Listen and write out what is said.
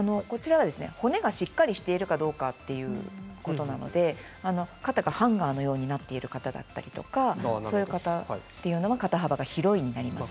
骨がしっかりしているかどうかということなので肩がハンガーのようになっている方だったりそういう方は肩幅が広いになります。